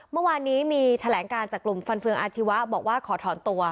เมื่อวานนี้มีแถลงการจากกลุ่มฟันเฟืองอาชีวะบอกว่าขอถอนตัว